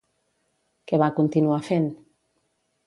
Què va continuar fent?